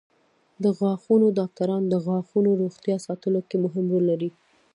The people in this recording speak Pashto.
د غاښونو ډاکټران د غاښونو روغتیا ساتلو کې مهم رول لري.